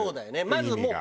まずもう。